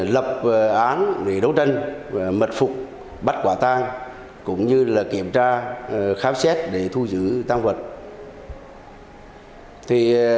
lập án để đấu tranh và mật phục bắt quả tang cũng như kiểm tra khám xét để thu giữ tăng vật